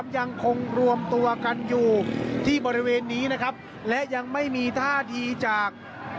ยังคงรวมตัวกันอยู่ที่บริเวณนี้นะครับและยังไม่มีท่าทีจาก